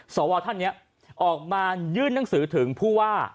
สวท่านนี้ออกมายื่นหนังสือถึงผู้ว่า